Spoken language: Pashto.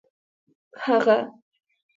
هغه